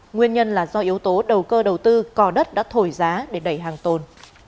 nguyên nhân là do yếu tố đầu cơ đầu tư cò đất đã thổi giá để đẩy hàng tồn